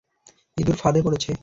ইঁদুর, ফাঁদে পরেছে।